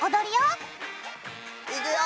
いくよ。